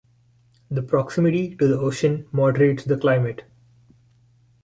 The proximity to the ocean moderates the climate.